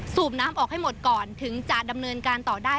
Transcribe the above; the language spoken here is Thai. สูบน้ำออกให้หมดก่อนถึงจะดำเนินการต่อได้